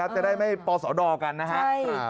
จะได้ไม่ปสดกันนะครับ